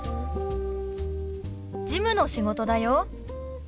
事務の仕事だよ。